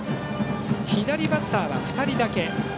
左バッターが２人だけ。